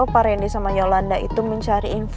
soal pak randy sama yolanda itu mencari info